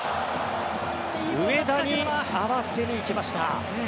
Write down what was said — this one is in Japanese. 上田に合わせに行きました。